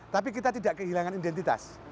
tapi kita tidak kehilangan identitas